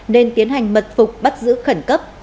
nên tiến hành mật phục bắt giữ khẩn cấp